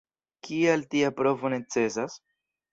Kial tia provo necesas?